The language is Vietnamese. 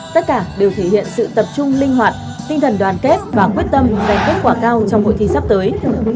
tất cả đều thể hiện sự tập trung linh hoạt tinh thần đoàn kết và quyết tâm thành kết quả cao trong hội thi sắp tới